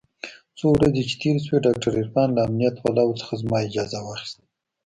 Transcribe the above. څو ورځې چې تېرې سوې ډاکتر عرفان له امنيت والاو څخه زما اجازه واخيسته.